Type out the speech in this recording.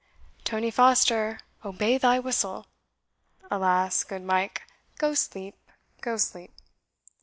"Tony Foster obey thy whistle! Alas! good Mike, go sleep go sleep."